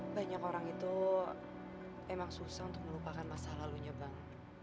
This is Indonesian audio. banyak orang itu emang susah untuk melupakan masa lalunya bang